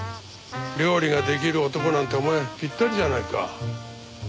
料理ができる男なんてお前ぴったりじゃないか。